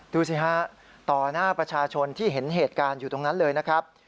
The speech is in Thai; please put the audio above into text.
ดูสิฮะต่อหน้าประชาชนที่เห็นเหตุการณ์อยู่ตรงนั้นเลยนะครับ